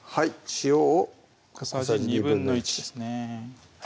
塩を小さじ１／２ですね